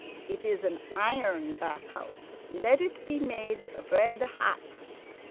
It is an iron bath house. Let it be made red hot."